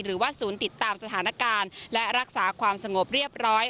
หรือว่าศูนย์ติดตามสถานการณ์และรักษาความสงบเรียบร้อย